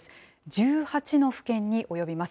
１８の府県に及びます。